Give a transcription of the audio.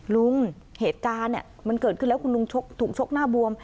เหตุการณ์มันเกิดขึ้นแล้วคุณลุงถูกชกหน้าบวม